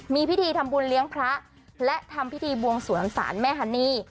มีพิธีทำบุญเลี้ยงพระและทำพิธีบวงสวนศาลแม่ฮันนี่